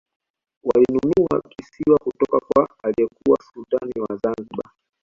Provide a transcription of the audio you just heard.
walinunua kisiwa kutoka kwa aliyekuwa sultani wa zanzibar